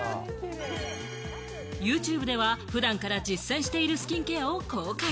ＹｏｕＴｕｂｅでは普段から実践している、スキンケアを公開。